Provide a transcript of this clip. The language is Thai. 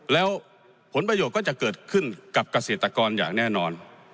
แล้วผลประโยชน์ก็จะเกิดขึ้นกับเกษตรกรอย่างแน่นอน